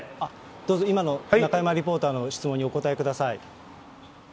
どうぞ、今の中山リポーターの質問にお答えください。